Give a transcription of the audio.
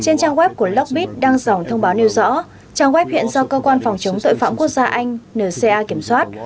trên trang web của lockpick đăng dòng thông báo nêu rõ trang web hiện do cơ quan phòng chống tội phạm quốc gia anh nca kiểm soát